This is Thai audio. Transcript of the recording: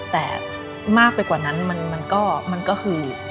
แต่มากไปกว่านั้นมันก็คือ